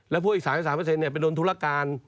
แล้วพวกอีก๓๓ไปโดนธุรการ